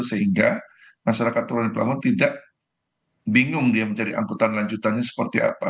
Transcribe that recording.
sehingga masyarakat pulau di pelabuhan tidak bingung dia mencari angkutan lanjutannya seperti apa